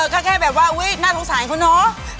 ก็แค่แบบว่าอุ๊ยน่าสงสารเขาเนาะ